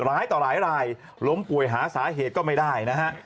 หลายต่อหลายรายล้มป่วยหาสาเหตุก็ไม่ได้นะฮะ